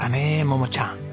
桃ちゃん。